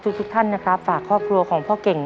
ทุกท่านนะครับฝากครอบครัวของพ่อเก่ง